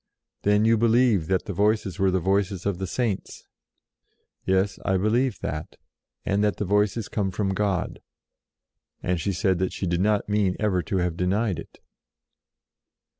"Then you believe that the Voices were the voices of the Saints." " Yes, I believe that, and that the Voices come from God ;" and she said that she did not mean ever to have denied it.